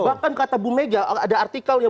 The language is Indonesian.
bahkan kata bu mega ada artikel yang